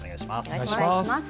お願いします。